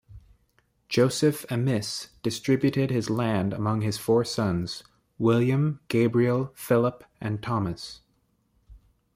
Joseph Amiss distributed his land among his four sons, William, Gabriel, Philip, and Thomas.